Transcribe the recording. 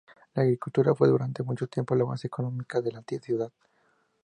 La agricultura fue durante mucho tiempo la base económica de la ciudad.